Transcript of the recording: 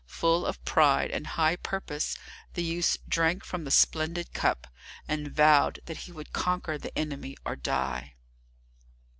Full of pride and high purpose, the youth drank from the splendid cup, and vowed that he would conquer the enemy or die.